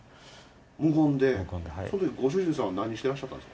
ご主人さんは何してらっしゃったんですか？